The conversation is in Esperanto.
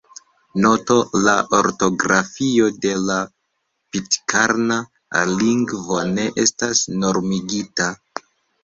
Noto: La ortografio de la pitkarna lingvo ne estas normigita.